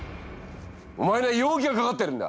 お前には容疑がかかってるんだ。